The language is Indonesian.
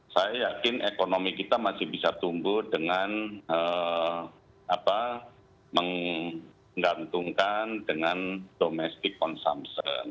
saya yakin ekonomi kita masih bisa tumbuh dengan menggantungkan dengan domestic consumption